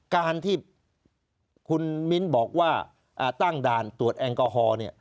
การที่คุณมิ้นบอกว่าตั้งด่านตรวจแอลกอฮอล์